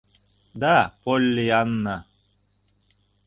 — Да, Поллианна.